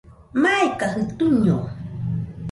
Maikajɨ tuiño